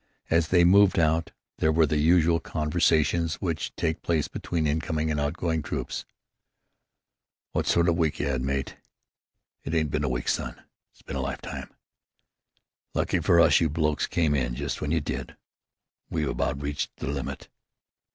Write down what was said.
As they moved out there were the usual conversations which take place between incoming and outgoing troops. "Wot sort of a week you 'ad, mate?" "It ain't been a week, son; it's been a lifetime!" "Lucky fer us you blokes come in just w'en you did. We've about reached the limit."